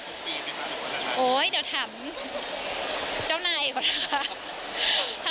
ไม่มีมากหรือเปล่านะคะโอ๊ยเดี๋ยวถามเจ้าหน้าอีกก่อนนะคะ